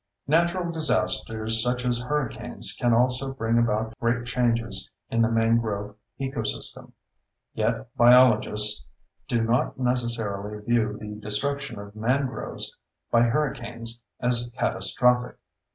Natural disasters such as hurricanes can also bring about great changes in the mangrove ecosystem. Yet biologists do not necessarily view the destruction of mangroves by hurricanes as catastrophic.